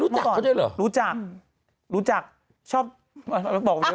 รู้จักเขาด้วยเหรอรู้จักรู้จักชอบบอกไหม